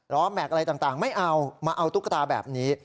ล้อแมกอะไรต่างต่างไม่เอามาเอาตุ๊กตาแบบนี้